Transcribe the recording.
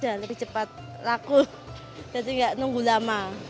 jadi nggak nunggu lama